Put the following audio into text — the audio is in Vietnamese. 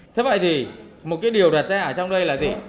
thế vậy thì một cái điều đặt ra ở trong đây là gì